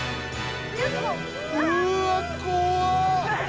うわ怖っ！